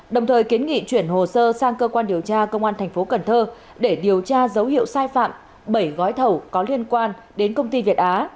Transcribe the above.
đồng thời kiến nghị chuyển hồ sơ sang cơ quan điều tra công an thành phố cần thơ để điều tra dấu hiệu sai phạm bảy gói thầu có liên quan đến công ty việt á